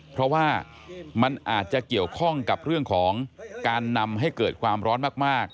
เพราะว่ามันอาจจะเกี่ยวข้องกับเรื่องของการนำให้เกิดความร้อนมาก